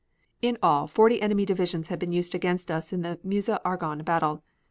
In all forty enemy divisions had been used against us in the Meuse Argonne battle.